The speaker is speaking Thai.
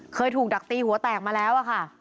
เคยถูกดักตีหัวแตกมาแล้วอะค่ะ